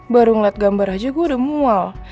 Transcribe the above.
baru ngeliat gambar aja gue udah mual